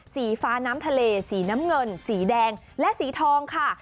สีฟ้าน้ำทะเลสีน้ำเงินสีแดงและสีทองค่ะ